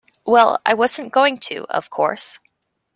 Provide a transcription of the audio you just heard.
Well, I wasn't going to, of course.